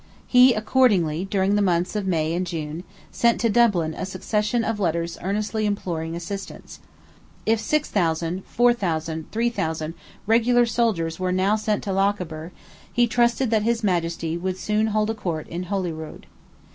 He accordingly, during the months of May and June, sent to Dublin a succession of letters earnestly imploring assistance. If six thousand, four thousand, three thousand, regular soldiers were now sent to Lochaber, he trusted that his Majesty would soon hold a court in Holyrood.